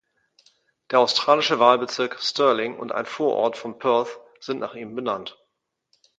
Der australische Wahlbezirk Stirling und ein Vorort von Perth sind nach ihm benannt.